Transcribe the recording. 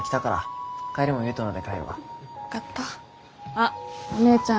あっお姉ちゃん。